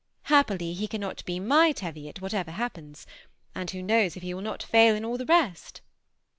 Happily he cannot be my Teviot, whatever happens; and who knows if he will not fail in all the rest!"